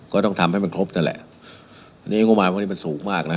ก็ต้องทำให้มันครบนั่นแหละอันนี้งุมัติว่านี้มันสูงมากน่ะ